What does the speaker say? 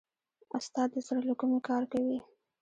استاد د زړه له کومې کار کوي.